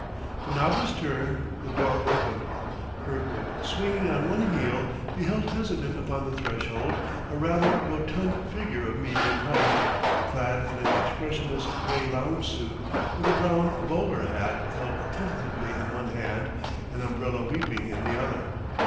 The knob was turned, the door opened. Kirkwood, swinging on one heel, beheld hesitant upon the threshold a rather rotund figure of medium height, clad in an expressionless gray lounge suit, with a brown "bowler" hat held tentatively in one hand, an umbrella weeping in the other.